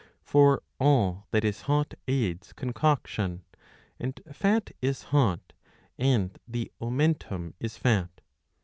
^ For all that is hot aids concoction ; and fat is hot, and the omentum is fat.